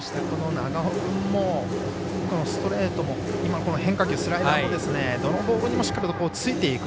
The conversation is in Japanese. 長尾君もストレートも今の変化球スライダーもどのボールにもしっかりとついていく。